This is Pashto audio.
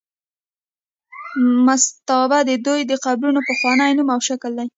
مستابه د دوی د قبرونو پخوانی نوم او شکل دی.